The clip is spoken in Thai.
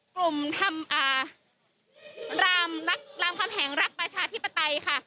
กลุ่มทำอ่ารามรักรามคำแหงรักประชาธิปไตยค่ะ